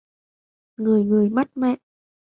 Ngời ngời mắt mẹ